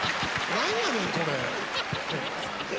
何やねんこれ。